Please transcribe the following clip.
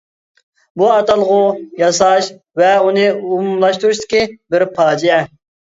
بۇ ئاتالغۇ ياساش ۋە ئۇنى ئومۇملاشتۇرۇشتىكى بىر پاجىئە.